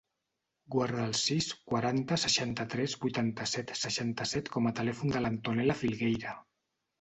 Guarda el sis, quaranta, seixanta-tres, vuitanta-set, seixanta-set com a telèfon de l'Antonella Filgueira.